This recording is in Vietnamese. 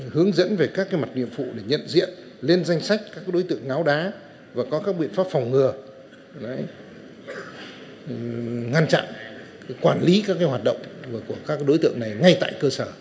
hướng dẫn về các mặt nhiệm vụ để nhận diện lên danh sách các đối tượng ngáo đá và có các biện pháp phòng ngừa ngăn chặn quản lý các hoạt động của các đối tượng này ngay tại cơ sở